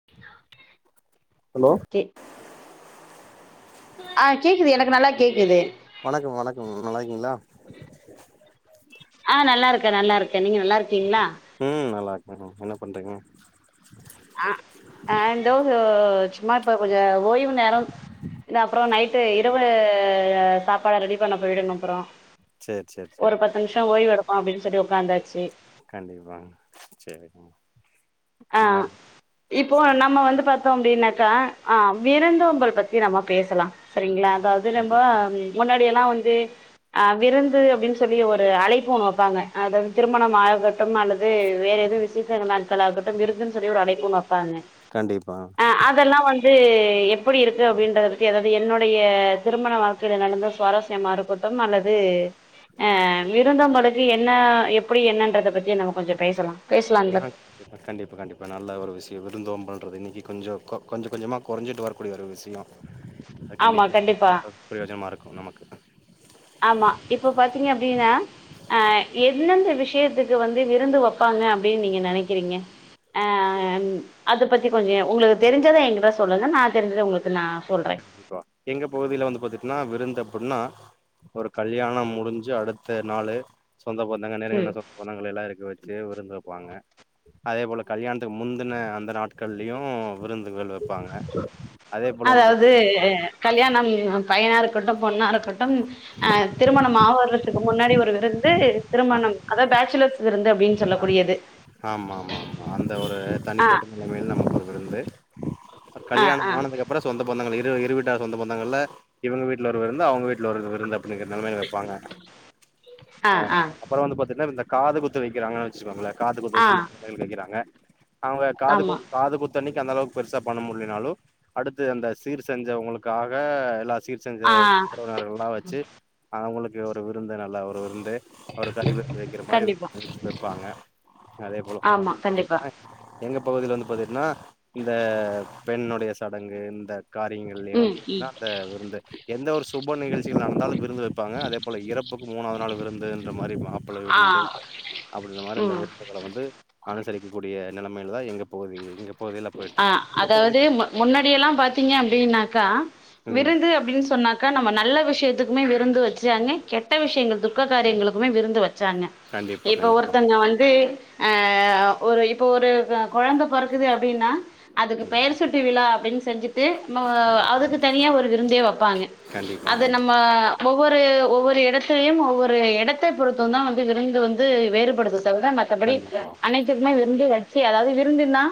[unintelligible] hello கே ஆ கேக்குது எனக்கு நல்லா கேக்குது வணக்கம் வணக்கம் நல்லாயிருக்கீங்களா அ நல்லாருக்கேன் நல்லா இருக்கேன் நீங்க நல்லா இருக்கீங்ளா ம் நல்லா இருக்கேன் மேம் என்ன பண்றீங்க அ இந்தோ சும்மா இப்ப கொஞ்சோம் ஓய்வு நேரம் இல்ல அப்றோம் நைட்டு இரவு சாப்பாட ரெடி பண்ண போயிடணும் அப்புறோம் சேரி சேரி சேரி ஒரு பத்து நிமிஷோம் ஓய்வு எடுப்போம் அப்டின்னு சொல்லி உக்காந்தாச்சு கண்டிப்பா சேரிங்க ஆ நா இப்போ நம்ப வந்து பாத் த்தோம் அப்டின்னாக்கா ஆ விருந்தோம்பல் பத்தி நம்ம பேசலாம் சேரிங்களா அதாவது நம்ப கண்டிப்பா முன்னாடியல்லாம் வந்து ஆ விருந்து அப்டின்னு சொல்லி ஒரு அழைப்பு ஒண்ணு வெப்பாங்க அதாவது திருமணம் ஆகட்டும் அல்லது வேற ஏதுவும் விசே விஷேச நாட்களகாட்டும் விருந்துன்னு சொல்லி ஒரு அழைப்பு ஒன்னு வெப்பாங்க கண்டிப்பா அதெல்லாம் வந்து எப்படி இருக்கு அப்டின்றத பத்தி அதாவது என்னுடைய திருமண வாழ் வாழ்க்கையில நடந்து சுவாரஸ்யமா இருக்கொட்டும் அல்லது அ விருந்தோம்பளுக்கு என்ன எப்படி என்னறத பத்தி நம்ப கொஞ்சோம் பேசலாம் பேசலாம்ல கண்டிப்பா கண்டிப்பா கண்டிப்பா நல்ல ஒரு விஷயோம் விருந்தோம்பல்றது இன்னிக்கி கொஞ்சோம் கொ கொஞ்சம் கொஞ்சமாக குறஞ்சிட்டு வரக்கூடிய ஒரு விஷயோம் அத கண்டிப்பா ப்ரோஜனமா இருக்கும் நமக்கு ஆமா இப்போ பாத்தீங்க அப்டின்னா அ எந்தெந்த விஷயத்துக்கு வந்து விருந்து வெப்பாங்க அப்டின்னு நீங்க நெனைக்கிறீங்க ஆ அத பத்தி கொஞ்சோம் உங்ளுக்கு தெரிஞ்சத என்க்கிட்ட சொல்லுங்க நான் தெரிஞ்சத உங்களுக்கு நான் சொல்றேன் கண்டிப்பா எங்க பகுதியில வந்து பாத்தீங்கன்னா விருந்து அப்டுன்னா ஒரு கல்யாணம் முடிஞ்சு அடுத்த நாலு சொந்த பந்தாங்க ம் நெருக்குன சொ சொந்தகள் எல்லாம் இருக்க வெச்சு விருந்து வெப்பாங்க அதே போல கல்யாணத்துக்கு முந்தின அந்த நாட்கள்லயும் விருந்துகள் வெப்பாங்க அதே போல வந்து அதாவது பாத்தீங்கன்னா கல்யாணம் பையனாருக்கட்டு பொண்ணாருக்கட்டு அ திருமணம் ஆவ்ரது ஆகுறக்கு முன்னாடி ஒரு விருந்து ஆ திருமணம் அதா பேச்சுலர்ஸ் விருந்து அப்டி ஆமா ஆமா ஆமா அந்த ஒரு ஆ தனிப்பட்ட முறைல நமக்கு ஒரு விருந்து ஆ ஆ கல்யாணம் ஆனதுக்கப்றோ சொந்த பந்தங்கள் இரு இரு வீட்டார் சொந்த பந்தங்கள்ல இவுங்க வீட்ல ஒரு விருந்து அவுங்க வீட்ல ஒரு விருந்து அப்டிங்கரதால வைப்பாங்க் ஆ ஆ அப்றோ வந்து பாத்தீங்கன்னா இந்த காது குத்து வைக்கிறாங்க ச்சுக்கு வாங்கல காது குத்த ஆ சின்ன பிள்ளைகளுக்கு வைக்குறாங்க அவுங்க கேக்கிறாங்க காது குத்து ஆமா காது குத்து அன்னைக்கு அந்த அளவுக்கு பெருசா பண்ண முடியனாலு அடுத்து அந்த சீர் செஞ்சவங்களுக்காக எல்லா சீர் செஞ்ச ஆ உறவினர்கள்லா வச்சு அவுங்களுக்கு ஒரு விருந்து நல்ல ஒரு விருந்து ஒரு கறி விருந்து வைக்கிற மாரி கண்டிப்பா இருப்பாங்க அதே ஆமா கண்டிப்பா போலத்தீன்ன எங்க பகுதியில வந்து பாத்தீங்கன்னா இந்த பெண்ணுடைய சடங்கு இந்த காரியங்கள்லியு ம் வந்து ம் பாத்தீங்கனா விருந்து எந்த ஒரு சுப நிகழ்ச்சிகள் நடந்தாலு விருந்து வைப்பாங்க அதே அப்போல இறப்புக்கு மூணாவது நாள் விருந்துதுன்ற மாதிரி மாப்பிள ஆ விருந்து அப்படின்ற இந்த மாதிரி இந்தந்த ம் விருதுகள வந்து அனுசரிக்கக்க கூடிய நிலைமையில தா எங்க பகுதி இங்க பகுதியில போயிட்டு இருக்கு எங்க பகுதியில முன்னாடியெல்லா பாத்தீங்க அப்டின்னாக்கா ம் விருந்து அப்டின்னு சொன்னா க்கா நம்ம நல்ல விஷயத்துக்குமே விருந்து வச்சாங்க கெட்ட விஷயங்கள் துக்க காரியங்களுக்குமே விருந்து வச்சாங்க கண்டிப்பா இப்ப கண்டிப்பா ஒருத்தங்க வந்து அ ஒரு இப்ப ஒரு கொழந்த பொறக்குது அப் படினா அதுக்கு பெயர் சுட்டு விழா அப்டின்னு செஞ்சுட்டு கண்டிப்பா அதுக்கு தனியா ஒரு விருந்தே வைப்பாங்க கண்டிப்பா கண்டிப்பா அது நம்ம ஒவ்வொரு ஒவ்வொரு இடத்துலயு ஒவ்வொரு எடத்தை பொறுத்து தா வந்து விருந்து வந்து வேறுபடுது தவிர மத் மற்றபடி கண்டிப்பா அனைத்துக்குமே விருந்து வச்சு அதாவது விருந்துனா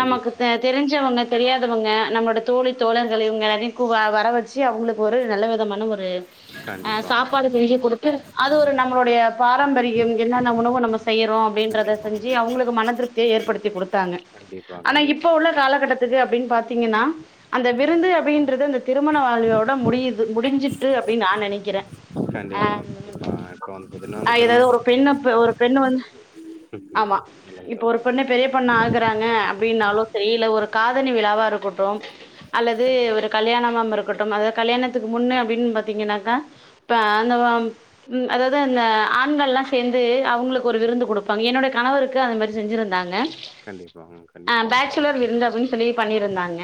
நமக்கு ப தெரிஞ்சவங்க தெரியாதவங்க நம்மோட தோழி தோழர்களை இவுங்க வ வர வச்சு அவுங்களுக்கு ஒரு நல்ல விதமான ஒரு அ கண்டிப்பா சாப்பாடு செஞ்சு குடு த்து ஒரு நம்மளுடைய பாரம்பரியம் என்னென்ன உணவு நம்ம செய்யறோ அப்டின்றத கண்டிப்பா செஞ்சு அவுங்களுக்கு மனதிருப்திய ஏற்படுத்தி குடுத்தாங்க கண்டிப் ஆனா இப்ப உள்ள காலகட்டத்துக்கு அப்டினு பாத்தீங்கன்னா அந்த விருந்து அப்டின்றது அந்த திருமண வாழ்வோட முடியுது முடிஞ்சிட்டு அப்டின்னு நா நெனைக்கிறே அ கண்டிப்பா கண்டிப்பா இப்ப வந்து பாத்தீங்கன்னா அந்த ஏதாவது ஒரு திருமணத்துக்கு பெண்ணு ஒரு பெண்ணு வந்து ஆமா ம் இல்லன்னு இப்ப சொல்ல ஒரு பெண்ணு பெரிய பொண்ணு ஆகுறானா ன அப்டின்னாலு செரி இல்ல ஒரு காதணி விழாவாருக்கட்டு அல்லது கண்டி ஒரு கல்யாணமாம் இருக்கட்டும் அது கல்யாணத்துக்கு முன்ன அப்டின்னு பாத்தீங்கன்னாக்கா இப்ப ஆந்தம்பம் ம் அதாவது அந்த ஆண்கள்ல்லா சேந்து அவுங்களுக்கு ஒரு விருந்து குடுப்பாங்க என்னுடைய கணவருக் கு அந்த மாதிரி செஞ்சிருந்தாங்க கண்டிப்பாங்க ஆ பேச்சுலர் விருந்து அப்டின்னு சொல்லி பண்ணிருந்தாங்க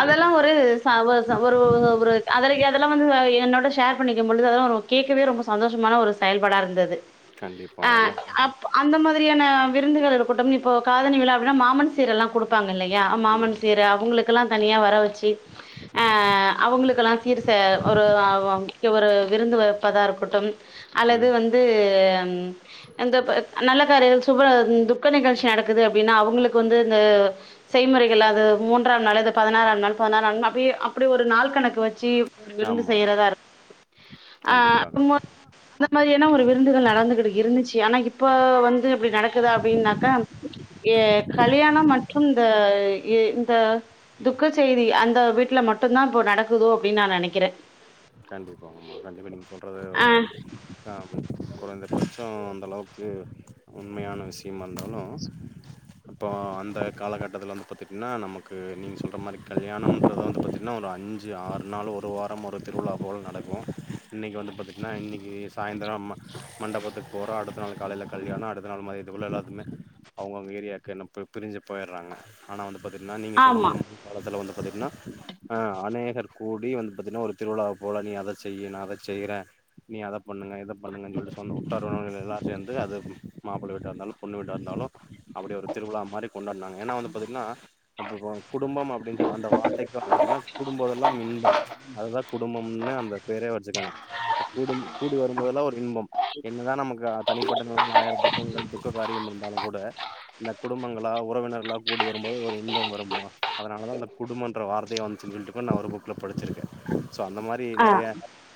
அதெல்லா ஒரு ச ஒரு ச ஒரு அவரு அதெல்லா என்டலா வந்து என்னோட ஷேர் பண்ணிக்கும்போழுது அதெல்லா ஒரு கேட்கவே ஒரு சந்தோசமான செயல்பாடாருந்துது கண்டிப்பா அ எல்லா அப் அந்த மாதிரியான விருந்துகள் இருக்கட்டும் இப்போ காதணி விழா அப்பல்லா மாமன் சீர் எல்லா குடுப்பாங்க இல்லயா மாமன் கண்டிப்பா சீரு அவுங்களுக்கெல்லா தனியா வர வச்சி அ அவுங்களுக்கெல்லா சீரு செ ஒரு அவ ஒரு விருந்து வைப்பதாக இருக்கட்டும் அல்லது ம் வந்து து அந்த நல்ல காரி சுப துக்க நிகழ்ச்சி நடக்குது அப்டின்னா அவு ங்களுக்கு வந்து இந்த செய்முறைகள் அது மூன்றாம் நாள் பதினாறாம் நாள் பதினாறாம் நாள் அப்டியே அப்டே ஒரு நாள் கணக்கு வச்சு ஒரு விருந்து ஆமா ஆமா செய்யறதா இரு [inaudible] ஆ கண்டிப்பாக [unintelligible] மாதிரியான ஒரு விருந்துகள் நடந்துகிட்டு இருந்துச்சு ஆனா இப்ப அப்டி நடக் இருக்குதா அப்படின்னாக்கா எ கல்யாணம் மற்றும் இந்த இந்த துக்க செய்தி அந்த வீட்ல மட்டுதா இப்போ நடக்குதோ அப்டின்னு நா நெனைக்கிற கண்டிப்பா ஆமா கண்டிப்பா நீங்க சொல்றது ஆ ஒரு ஆ குறைந்தபட்சோ அந்தளவுக்கு உண்மையான விஷயமா இருந்தாலு அப்போ அந்த காலகட்டத்தில வந்து பாத்திட்டிங்கன்னா நமக்கு நீங்க சொல்ற மாரி கல்யாணம்ன்றத வந்து பாத்தீங்கன்னா ஒரு அஞ்சு அஞ்சி ஆறு நாள் ஒரு வாரம் ஒரு திருவிழா போல நடக்கு இன்னைக்கு வந்து பாத்தீட்ன்னா இன்னைக்கு சாய்ந்தரோ ம மண்டபத்துக் போறோ அடுத்த நாள் காலையில கல்யாணோ அடுத்த நாள் மய் இங்குள்ள எல்லாத்துமே அவங்க அவங்க ஏரியாவுக்கு எல்லா பிரிஞ்சு போயிட்றாங்க ஆனா வந்து பாத்தீட்ங்கன்னா நீ சொல்ற ஆமா மாரி காலத்துல வந்து பாத்தீங்கன்னா அ அநேகர் கூடி வந்து பாத்தீங்கன்னா ஒரு திருவிழாவ போல நீ அத செய் நா அத செய்ற நீ அத பண்ணுங்க இத பண்ணுங்க சொல்லிட்டு சொன்ன உற்றார் உறவினர் எல்லா சேர்ந்து அது மாப்பிள்ள வீட்டா இருந்தாலு பொண்ணு வீட்டா இருந்தாலு அப்டி ஒரு திருவிழா மாரி கொண்டாட்னாங்க ஏன்னா வந்து பாத்தீட்ன்னா குடும்பம் அப்டின்னு அந்த வார்த் டேக்காஃப் பாத்திட்னா குடும்பம் எல்லா இன்பம் அதுதா குடும்பம்னு அந்த பேரே வச்சிருக்காங்க குடும்பம் கூடி வரும்போதல்லா ஒரு இன்பம் என்னதா நமக்கு தனிப்பட்ட நிலமைல ஆயிர துக்கங்கள் துக்க காரியம் இருந்தாலு கூட இந்த குடும்பங்களா உறவினர்களாக கூடி வரும்போது ஒரு இன்பம் வரும்மா அதனாலதா அந்த குடும்பன்ற வார்த்தைய வந்துச்சு சொல்லிட்டுபோ நா ஒரு புக்ல படிச்சிருக்கே ஸோ அந்த மாரி ஆ நெறைய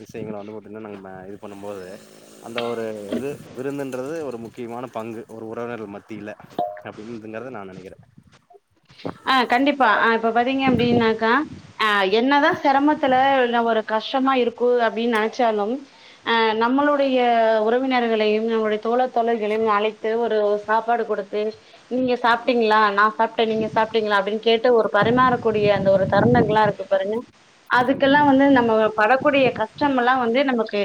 விஷயங்கள வந்து பாத்திங்கன்னா நம்ப இது பண்ணம்போது அந்த ஒரு இது விருந்து ன்றது ஒரு முக்கியமான பங்கு ஒரு உறவினர்கள் மத்தியில அப்டிங்கறத நா நெனைக்கிற ஆ கண்டிப்பா ஆ இப்ப பாத்தீங்க அப்டின்னாக்கா அ என்னதா செரமத்துல ந ஒரு கஷ்டமா இருக்கு அப்டின்னு நெனைச்சாலு ஆ நம்மளுடைய உற உறவினர்களையு நம்முடைய தோழத்தோழர்களையு அழைத்து ஒரு சாப்பாடு கொடுத்து நீங்க சாப்ட்டீங்களா நா சாப் சாப்ட்டீங்களா அப்டின்னு கேட்டு ஒரு பரிமாறக்கூடிய அந்த ஒரு தருனங்களல்லா இருக்கு பாருங்க அதுக்கெல்லா கண்டிப்பா வந்து நம்ம படக்கூடிய கஷ்டம் எல்லா வந்து நமக்கு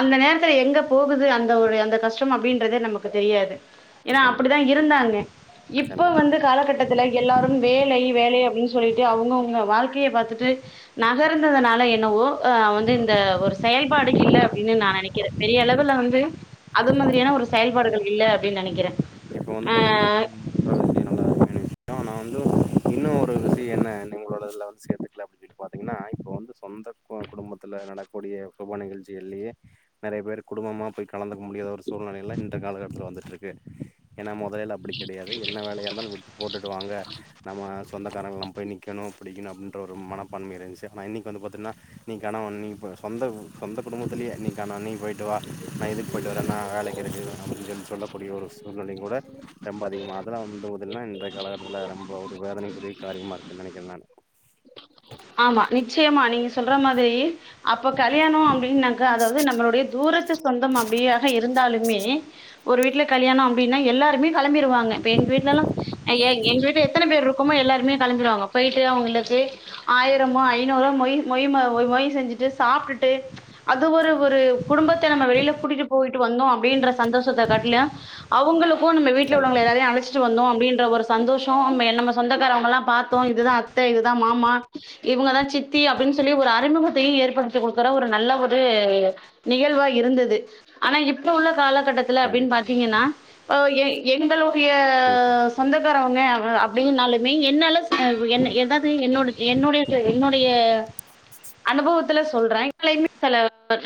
அந்த நேரத்துல எங்க போகுது அந்த ஒரு அந்த கஷ்டம் அப்டின்றதே நமக்கு தெரியாது ஏன்னா கண்டிப்பா அப்டிதா இருந்தாங்க இப்ப வந்து கண்டிப்பா காலகட்டத் எல்லாரு வேலை வேலை அப்டின்னு சொல்லிட்டு அவுங்கவுங்க வாழ்க்கைய பாத்துட்டு நகர்ந்ததுனால என்னவோ அ வந்து இந்த ஒரு செயல்பாடு இல்ல அப்டின்னு நா நெனைக்கிற பெரிய அளவுல வந்து அது மாதிரியான ஒரு செயல்பாடுகள் இல்ல அப்டின்னு நெனைக்கிற இப்ப வந்து பாத்தீங்கன்னா [inaudible] நா வந்து இன்னு ஒரு விஷயம் என்ன நீங்களோட லெவல்ஸ் ஏத்துக்கல அப்டி இப்பாத்தீங்கன்னா இப்ப வந்து சொந்த குடும்பத்துல நடக்கூடிய சுப நிகழ்ச்சிகள்லேயே நெறைய பேர் குடும்பமா போய் கலந்துக்க முடியாத ஒரு சூழ்நிலையில இன்றைய காலக்கட்டத்தில வந்துட்டுருக்கு ஏன்னா மொதலெல்லா அப்டி கிடையாது என்ன வேலையாக இருந்தாலு விட்டு போட்டுட்டு வாங்க நம்ம சொந்தக்காரங்கள்லா போய் நிக்கணு புடிக்கணு அப்டின்ற ஒரு மனபான்ம இருந்துச்சு ஆனா இன்னைக்கு வந்து பாத்தீங்கன்னா நீ கணவன் நீ போ சொந்த சொந்த குடும்பத்துலயே நீ கணவன் நீ போய்ட்டு வா நா எதுக் போய்ட்டு வரேன்னா வேலைக் இருக்கு வர முடியாதுன் சொல்லக்கூடிய ஒரு சூழ்நிலையுங்கூட ரொம்ப அதிகமாக அதெல்லா [inaudible] இன்றைய காலட்டத்துல ரொம்ப ஒரு வேதனைக்குரிய காரியமா இருக்குன் நெனைக்கற நானு ஆமா நிச்சயமா நீங்க சொல்ற மாதிரி அப்ப கல்யாணோ அப்டின்னாக்கா அதாவ்து நம்ளுடைய தூரத்து சொந்தம் அப்டியாக இருந்தாலுமே ஒரு வீட்ல கல்யாணோ அப்டின்னா எல்லாருமே கெளம்பிருவாங் க இப்ப எங்க வீட்லல்லா ஐயே எங்க வீட்ல எத்தன பேர்ருக் கமோ எல்லாருமே கெளம்பிருவாங்க போய்ட்டு அவங்களுக்கு ஆயிரமோ ஐநூறோ மொய் மொய் மா மொய் மொய் செஞ்சுட்டு சாப்ட்டுட்டு அது ஒரு ஒரு குடும்பத்த நம்ம வெளில கூட்டிட்டு போய்ட்டு வந்தோ அப்டின்ற சந்தோஷத்த காட்டிலு அவுங்களுக்கு நம்ம வீட்ல கண்டிப் உள்ளவங்க எல்லாரையு அழச்சி ட்டு வந்தோ அப்டின்ற ஒரு சந்தோஷோ மே நம்ம சொந்தக்காரவ்ங்கல்லா பாத்தோ இதுதா அத்த, இதுதா மாமா இவுங்கதா சித்தி அப்டின் சொல்லி ஒரு அறிமுகத்தையு ஏற்படுத்தி குடுக்கற ஒரு நல்ல ஒரு நிகழ்வா இருந்தது ஆனா இப்ப உள்ள காலகட்டத் துல அப்டின் கண்டிப்பா பாத்தீங்கன்னா போ எ எ எங்களுடைய சொந்தக்காரவங்க அவ அப் டின்னாலுமே என்னால அ என்ன எதாது என்னோட என்னுடைய அ என்னுடைய அனுபவத்துல சொல்ற என்னாலயுமே சில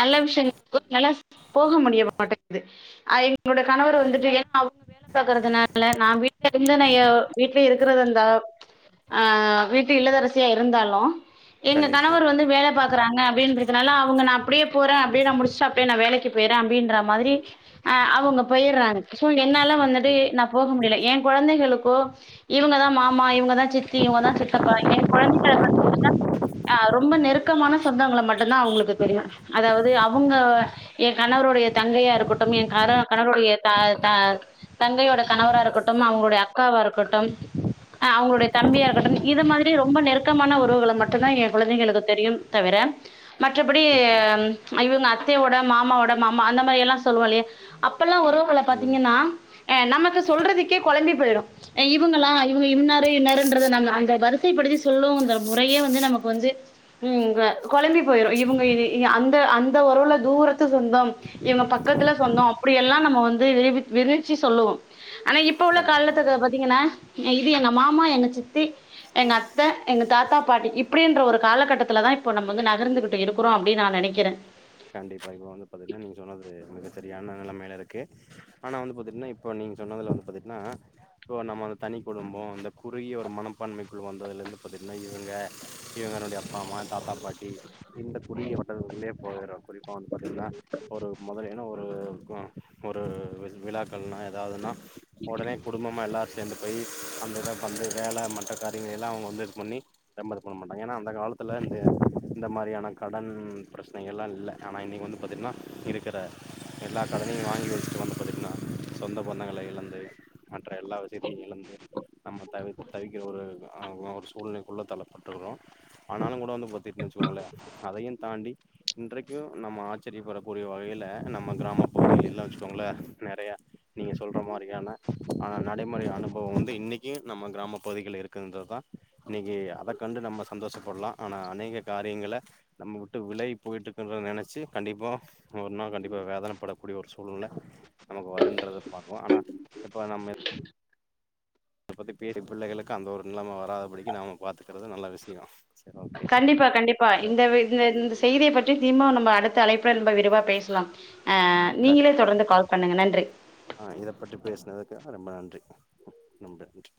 நல்ல விஷ்யங்களுக்கு என்னால போக முடிய மாட்டேங்கிது அது என்னோட கணவர் வந்துட்டு ஏனா அவுங்க [inaudible] பாக்கறதுனால நா வீட்ல இருந்து நா எ வீட்லயு இருக்கறது அந்த ஆ வீட்டு இல்லதரசியா இருந்தாலு எங்க கண்டிப்பா கணவர் வந்து வேல பாக் கறாங்க அப்டின்றதுனால அவுங்க நா அப்டியே போற அப்டியே நா முடிஸ்ட்டு அப்டியே நா வேலைக்கு போயிர்றே அப்டின்ற மாதிரி அ அவுங்க போயிர்றாங்க சோ என்னால வந்துட்டு நா போக முடியல ஏ கொழந்தைகளுக்கு இவுங்கதா மாமா இவுங்கதா சித்தி இவுங்கதா சித்தப்பா எ கொழந்தைங்க [inaudible] அ ரொம்ப நெருக்கமான சொந்தங்கள மட்டுந்தா அவுங்களுக்கு தெரியு அதாவ்து அவுங்க எ கணவருடைய தங்கையா இருக்கட்டும் எ கார கணவருடைய த த தங்கையோட கணவரா இருக்கட்டும் அவுங்களுடைய அக்காவா இருக்கட்டும் அ அவுங்களுடைய தம்பியா இருக்கட்டும் இது மாதி ரி ரொம்ப நெருக்கமான உறவுகள மட்டுந்தா ஏ குழந்தைகளுக்கு தெரியும் தவிர மற்றபடி இவுங்க அத்தையோட மாமாவோட மாமா அந்த மாரி எல்லா சொல்லுவோ இல்லயா அப்பல்லா உறவுகள ம் பாத்தீங்கன்னா எ நமக்கு சொல்றதுக்கே கொழம்பி போய்ரு அ இவுங்களா இவுங்க இன்னாரு இன்னாருன்றத நம்ம அந்த வரு சைப்படுத்தி சொல்லுவோ அந்த முறையே வந்து நமக்கு வந்து ம் ங்க கொழம்பி போயிரு இவுங்க இது இதி அந்த அந்த ஒறவுல தூரத்து சொந்தம் இவுங்க பக்கத்துல சொந்தோ அப்டியெல்லா நம்ம வந்து விரு விரிச்சி சொல்லுவோ ஆனா இப்ப உள்ள கண்டிப்பா காலத்துக்கு பாத்தீங்கன்னா அ இது எங்க மாமா எங்க சித்தி எங்க அத்த, எங்க தாத்தா, பாட்டி இப்டின்ற ஒரு காலக்கட்டத்துல தா இப்போ நம்ம வந்து நகர்ந்துக்கிட்டு இருக்குறோ அப்டின்னு நா நெனைக்கிறே கண்டிப்பா இப்போ வந்து பாத்தீங்ன்னா நீங்க சொன்னது மிகச்சரியான நெலமைல இருக்கு ஆனா வந்து பாத்தீங்ன்னா இப்போ நீங்க சொன்னதுல வந்து பாத்தீங்ன்னா இப்போ நம்ம வந்து தனி குடும்போ இந்த குறுகிய ஒரு மனப்பான்மைக்குள்ள வந்ததுலர்ந்து பாத்தீங்ன்னா இவுங்க இவுங்களுடைய அப்பா அம்மா தாத்தா பாட்டி இந்த குறுகிய வட்டத்துக்குள்ளயே போயிரு குறிப்பா வந்து பாத்தீங்ன்னா ஒரு மொதல்லினா ஒரு ஒரு விழ் விழாக்கள்னா எதாவ்துன்னா ஒடனே குடும்பமா எல்லா சேந்து போய் அந்த இத பந்து வேல மற்ற காரியங்கள எல்லா அவுங்க வந்து இது பண்ணி ரொம்ப இது பண்ண மாட்டாங்க ஏனா அந்த காலத்துல வந்து இந்த மாரியான கடன் பிரச்சனைகள்லா இல்ல ஆனா இன்னிக் வந்து பாத்தீங்ன்னா இருக்கற எல்லா கடனையு வாங்கி வெச்சிட்டு வந்து பாத்தீட்னா சொந்த பந்தங்கள இழந்து மற்ற எல்லா விஷியத்தியு இழந்து நம்ம தவி தவிக்கிற ஒரு அ ஒரு சூழ்நிலைக்குள்ள தள்ளப்பட்டுக்கிறோ ஆனாலு கூட வந்து பாத்தீட்னா வெச்சுக்கோங்களே அதையு தாண்டி இன்றைக் கியு நம்ம ஆச்சரியப்படக்கூடிய வகையில நம்ம கிராம பகுதிலெல்லா வெச்சுக்கோங்களே நெறைய நீங்க சொல்ற மாரியான ஆ நடைமுறை அனுபவோ வந்து இன்னிக்யு நம்ம கிராம பகுதிகள்ல இருக்கிதுன்றத்தா இன்னிக்கி அத கண்டு நம்ம சந்தோஷப்பட்லா ஆனா அநேக காரியங்கல நம்ம வுட்டு விலகி போயிட்டு ன்றது நெனச்சி கண்டிப்பா ஒரு நாள் கண்டிப்பா வேதனப்படக்கூடிய ஒரு சூழ்நில நமக்கு வருன்றத பாக்குவோ ஆனா இப்ப நம்ம இதப்பத்தி பேசி பிள்ளைகளுக்கு அந்த ஒரு நிலைம வராதபடிக்கி நாம பாத்துக்கிறது நல்ல விஷியோ கண்டிப்பா கண்டிப்பா இந்த வி இந்த இந்த செய்திய பற்றி திம்பவு நம்ப அடுத்த அழைப்புல நம்ப விரிவா பேசலா ஆ நீங்களே கண்டிப்பா தொடர்ந்து கால் பண்ணுங்க நன்றி ஆ இத பற்றி பேசினதுக்காக ரொம்ப நன்றி ரொம்ப நன்றி